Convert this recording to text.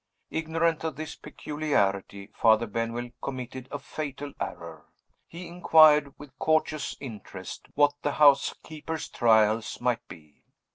Ignorant of this peculiarity, Father Benwell committed a fatal error. He inquired, with courteous interest, what the housekeeper's "trials" might be.